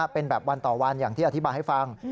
เป็นแบบวันต่อวันอย่างที่อธิบายให้ฟัง